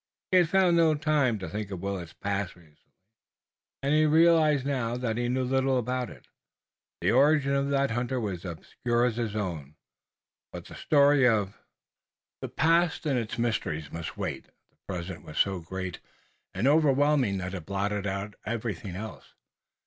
He had found no time to think of Willet's past recently and he realized now that he knew little about it. The origin of that hunter was as obscure as his own. But the story of the past and its mysteries must wait. The present was so great and overwhelming that it blotted out everything else.